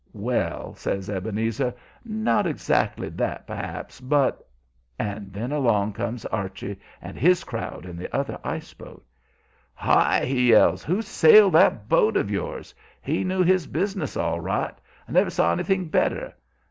"Well," says Ebenezer, "not exactly that, p'raps, but " And then along comes Archie and his crowd in the other ice boat. "Hi!" he yells. "Who sailed that boat of yours? He knew his business all right. I never saw anything better.